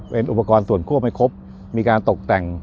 เป็นอุปกรณ์ส่วนควบไม่ครบมีการตกแต่ง